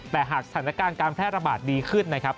แต่หากสถานการณ์การแพร่ระบาดดีขึ้นนะครับ